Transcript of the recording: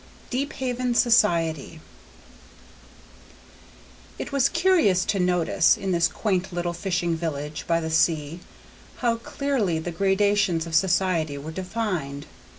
Deephaven Society It was curious to notice, in this quaint little fishing village by the sea, how clearly the gradations of society were defined.